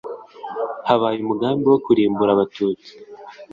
habaye umugambi wo kurimbura abatutsi